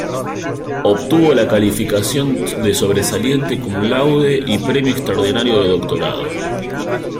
Obtuvo la calificación de Sobresaliente Cum Laude y Premio Extraordinario de Doctorado.